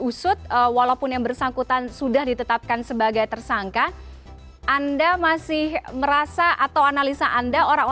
ideologi hanyaeggita itu ada juga ideologi bagian dalam you go